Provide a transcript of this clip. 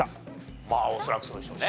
まあ恐らくそうでしょうね。